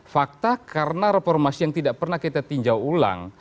fakta karena reformasi yang tidak pernah kita tinjau ulang